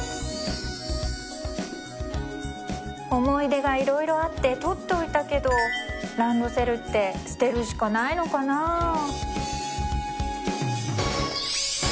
思い出が色々あって取っといたけどランドセルって捨てるしかないのかなあ